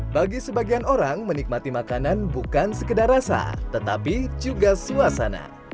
bagi sebagian orang menikmati makanan bukan sekedar rasa tetapi juga suasana